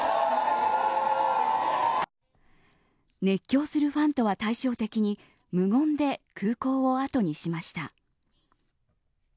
熱狂するファンとは対照的に無言で空港を後にしました。